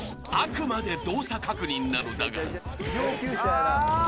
［あくまで動作確認なのだが］